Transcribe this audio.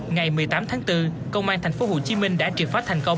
ngày một mươi tám tháng bốn công an tp hcm đã triệt phá thành công